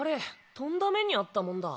とんだ目に遭ったもんだ。